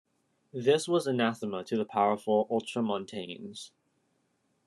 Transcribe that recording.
This was anathema to the powerful Ultramontanes.